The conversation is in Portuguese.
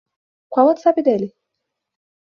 Qual o WhatsApp dele?